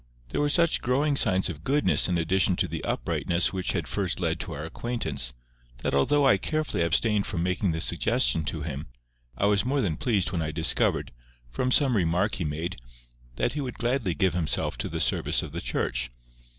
There were such growing signs of goodness in addition to the uprightness which had first led to our acquaintance, that although I carefully abstained from making the suggestion to him, I was more than pleased when I discovered, from some remark he made, that he would gladly give himself to the service of the Church.